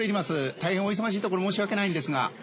大変お忙しいところ申し訳ないんですが。